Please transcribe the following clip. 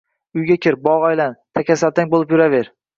Uyga kir, bog` aylan, takasaltang bo`lib yuraver